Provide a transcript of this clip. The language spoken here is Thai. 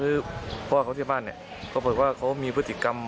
พ่อเขาที่บ้านเนี่ยเขาบอกว่าเขามีพฤติกรรม